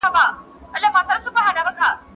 مینوالو لخوا مطرح سوي دي؛ خو دغي موضوع د